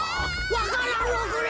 わか蘭をくれ！